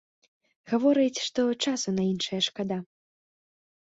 Гаворыць, што часу на іншае шкада.